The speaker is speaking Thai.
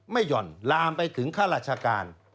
หย่อนลามไปถึงข้าราชการ